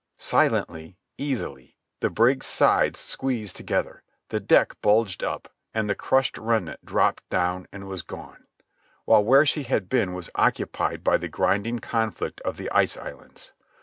Silently, easily, the brig's sides squeezed together, the deck bulged up, and the crushed remnant dropped down and was gone, while where she had been was occupied by the grinding conflict of the ice islands.